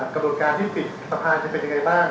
กระบวนการที่ปิดสภาจะเป็นยังไงบ้าง